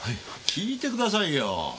聞いてくださいよ。